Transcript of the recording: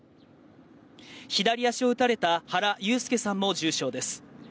左足を撃たれた原悠介さんも重傷です。